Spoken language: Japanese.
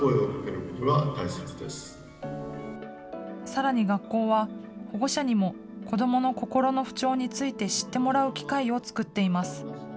さらに学校は、保護者にも子どもの心の不調について知ってもらう機会を作っています。